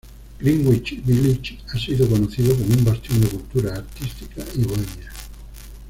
Greenwich Village ha sido conocido como un bastión de cultura artística y bohemia.